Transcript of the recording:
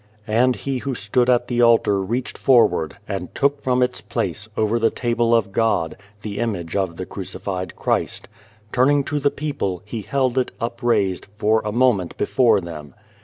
And he who stood at the altar reached for ward, and took from its place, over the table of God, the image of the crucified Christ. Turning to the people, he held it, upraised, for a moment before them.